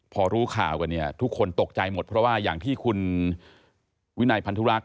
พอรู้ข่าวกันเนี่ยทุกคนตกใจหมดเพราะว่าอย่างที่คุณวินัยพันธุรักษ